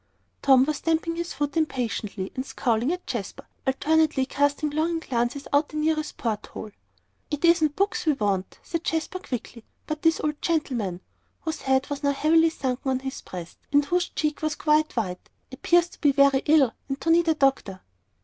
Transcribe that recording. Tom was stamping his foot impatiently, and scowling at Jasper, alternately casting longing glances out the nearest port hole. "It isn't books we want," said Jasper, quickly, "but this old gentleman" whose head was now heavily sunken on his breast, and whose cheek was quite white "appears to be very ill, and to need the doctor."